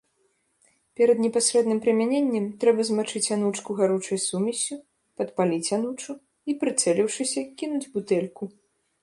Перад непасрэдным прымяненнем трэба змачыць анучку гаручай сумессю, падпаліць анучу, і прыцэліўшыся кінуць бутэльку.